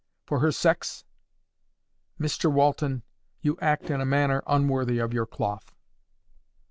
—for her sex? MISTER WALTON, you act in a manner unworthy of your cloth."